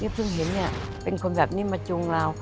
นี่พึ่งเห็นเนี่ยเป็นคนแบบนี้มาจุงเรา